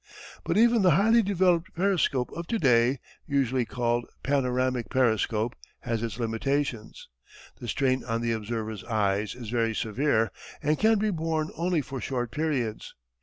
But even the highly developed periscope of to day, usually called "panoramic periscope," has its limitations. The strain on the observer's eyes is very severe and can be borne only for short periods.